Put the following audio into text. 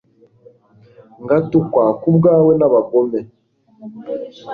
ngatukwa ku bwawe n'abagome